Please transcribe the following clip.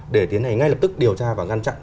để tiến hành ngay lập tức điều tra và ngăn chặn